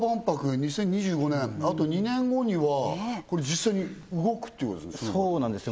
２０２５年あと２年後にはこれ実際に動くっていうことそうなんですよ